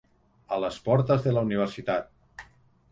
A les portes de la universitat.